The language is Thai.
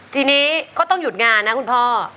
ทีนี้ก็ต้องหยุดงานนะคุณพ่อ